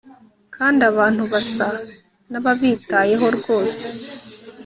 kandi abantu basa nababitayeho rwose